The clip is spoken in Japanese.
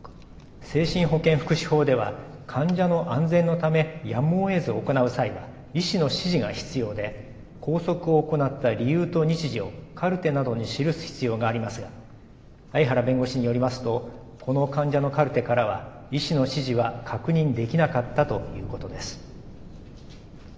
精神保健福祉法では患者の安全のためやむをえずを行う際は医師の指示が必要で拘束を行った理由と日時をカルテなどに記す必要がありますが相原弁護士によりますとこの患者のカルテからは医師の指示は確認できなかったということです。